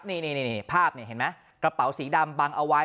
นี่ภาพนี่เห็นไหมกระเป๋าสีดำบังเอาไว้